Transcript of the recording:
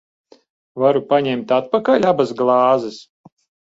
Varu paņemt atpakaļ abas glāzes?